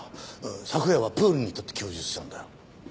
昨夜はプールにいたって供述したんだよ。